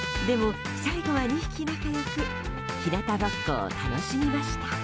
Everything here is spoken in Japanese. でも最後は２匹仲良く日向ぼっこを楽しみました。